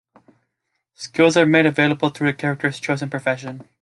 Skills are made available through the character's chosen profession.